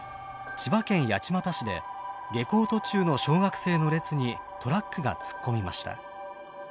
千葉県八街市で下校途中の小学生の列にトラックが突っ込みました。